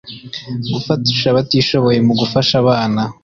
Gufasha abatishoboye mu gufasha abana